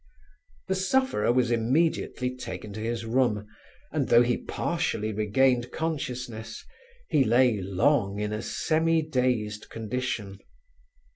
The sufferer was immediately taken to his room, and though he partially regained consciousness, he lay long in a semi dazed condition.